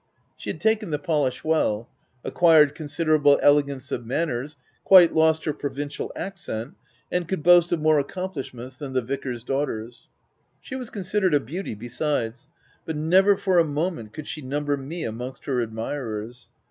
She had taken the polish well, acquired considerable elegance of manners, quite lost her provincial accent, and could boast of more accomplishments than the vicar's daughters. She was considered a beauty besides ; but never for a moment could she number me amongst her admirers.